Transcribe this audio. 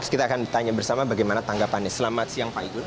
kita akan tanya bersama bagaimana tanggapannya selamat siang pak igun